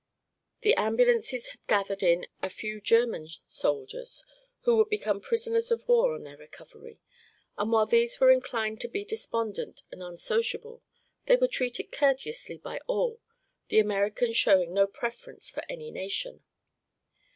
The ambulances had gathered in a few German soldiers, who would become prisoners of war on their recovery, and while these were inclined to be despondent and unsociable they were treated courteously by all, the Americans showing no preference for any nation.